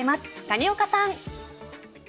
谷岡さん。